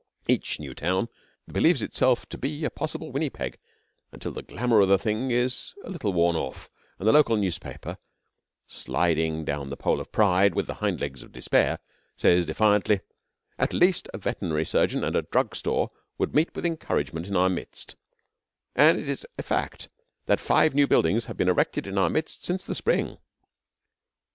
Each new town believes itself to be a possible Winnipeg until the glamour of the thing is a little worn off, and the local paper, sliding down the pole of Pride with the hind legs of despair, says defiantly: 'At least, a veterinary surgeon and a drug store would meet with encouragement in our midst, and it is a fact that five new buildings have been erected in our midst since the spring.'